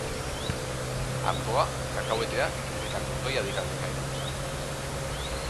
Artoa, kakahueteak eta kotoia dira lehengai nagusiak.